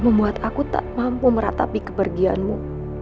membuat aku tak mampu meratapi kepergianmu